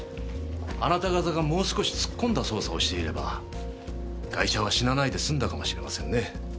あなた方がもう少し突っ込んだ捜査をしていればガイシャは死なないで済んだかもしれませんね